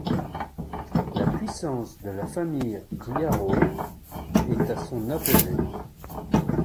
La puissance de la famille Riario est à son apogée.